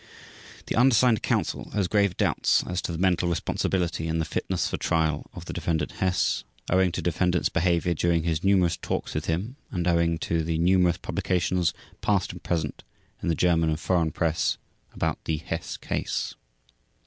The undersigned Counsel has grave doubts as to the mental responsibility and the fitness for Trial of the Defendant Hess owing to defendant's behavior during his numerous talks with him, and owing to the numerous publications, past and present, in the German and foreign press about the "Hess Case".